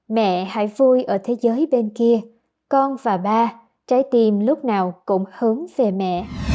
mẹ hãy vui ở thế giới bên kia con và ba trái tim lúc nào cũng hướng về mẹ